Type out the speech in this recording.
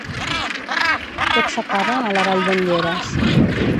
Tot s'acaba a la vall d'en Lleres.